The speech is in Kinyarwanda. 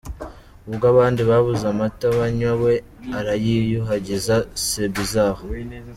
Ubwo abandi babuze amata banywa, we arayiyuhagiza!! C’est bizarre.